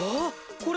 これ！